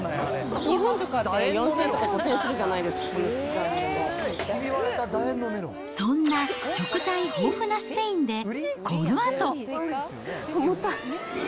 日本とかって、４０００円とか５０００円するじゃないですか、そんな食材豊富なスペインで重たい。